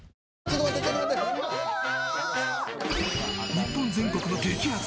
日本全国の激アツ！